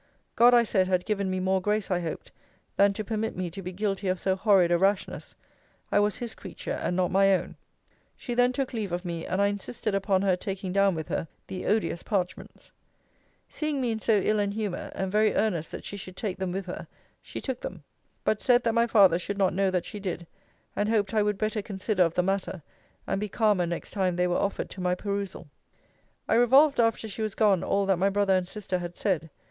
God, I said, had given me more grace, I hoped, than to permit me to be guilty of so horrid a rashness, I was his creature, and not my own. She then took leave of me; and I insisted upon her taking down with her the odious parchments. Seeing me in so ill an humour, and very earnest that she should take them with her, she took them; but said, that my father should not know that she did: and hoped I would better consider of the matter, and be calmer next time they were offered to my perusal. I revolved after she was gone all that my brother and sister had said.